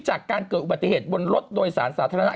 จากการเกิดอุบัติเหตุบนรถโดยสารสาธารณะ